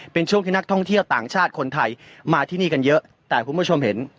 เป็นช่วงที่นักท่องเที่ยวต่างชาติคนไทยมาที่นี่กันเยอะแต่คุณผู้ชมเห็น